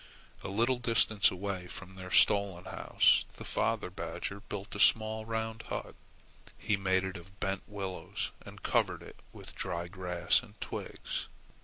A little distance away from their stolen house the father badger built a small round hut. He made it of bent willows and covered it with dry grass and twigs.